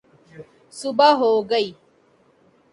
صبح ہو گئی